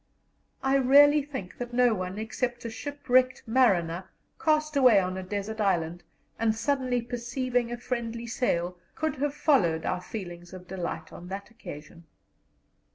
I really think that no one except a shipwrecked mariner, cast away on a desert island, and suddenly perceiving a friendly sail, could have followed our feelings of delight on that occasion.